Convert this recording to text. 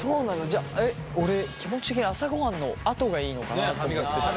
じゃ俺気持ち的に朝ごはんのあとがいいのかなと思ってたけど。